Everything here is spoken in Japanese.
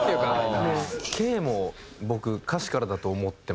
『Ｋ』も僕歌詞からだと思ってました。